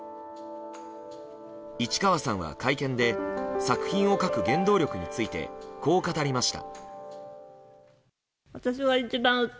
市川さんは会見で作品を書く原動力についてこう語りました。